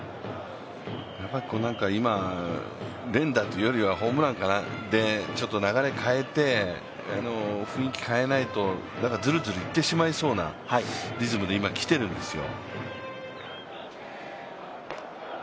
今、連打というよりはホームランで流れを変えて雰囲気変えないと、ずるずるいってしまいそうなリズムで今きているんですよ。